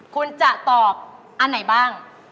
คุณจะตอบอันไหนบ้าง